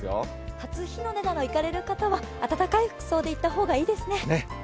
初日の出など行かれる方は暖かい服装で行った方がいいですね。